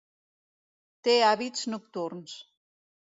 Té hàbits nocturns.